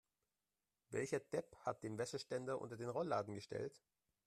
Welcher Depp hat den Wäscheständer unter den Rollladen gestellt?